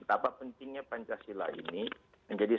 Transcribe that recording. apa pentingnya pancasila ini